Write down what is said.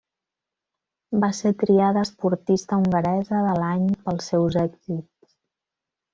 Va ser triada esportista hongaresa de l'any pels seus èxits.